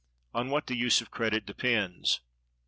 On what the use of Credit depends.